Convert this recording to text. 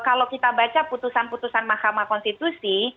kalau kita baca putusan putusan mahkamah konstitusi